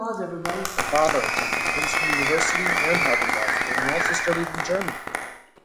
Her father attended Princeton University and Harvard Law School and also studied in Germany.